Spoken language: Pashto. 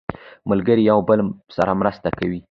ملګري یو بل سره مرسته کوي